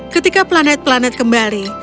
ketika planet planet kembali